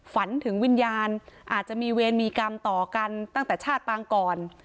ฝันถึงวิญญาณอาจจะมีเวรมีกรรมต่อกันตั้งแต่ชาติปางก่อน